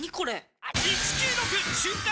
「１９６瞬間